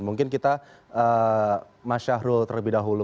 mungkin kita mas syahrul terlebih dahulu